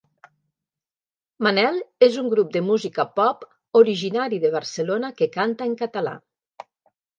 Manel és un grup de música pop originari de Barcelona que canta en català